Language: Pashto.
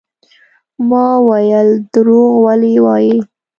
ما وويل دروغ ولې وايې.